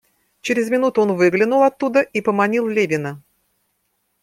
Через минуту он выглянул оттуда и поманил Левина.